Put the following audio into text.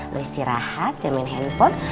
lu istirahat jamin handphone